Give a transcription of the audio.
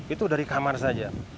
itu dari kamar saja